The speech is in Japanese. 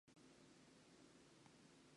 新潟県魚沼市